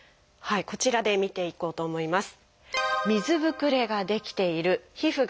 こちらで見ていこうと思います。